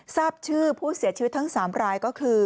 ทราบชื่อผู้เสียชีวิตทั้ง๓รายก็คือ